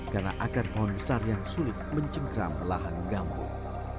karena akar pohon besar yang sulit mencengkram lahan gambung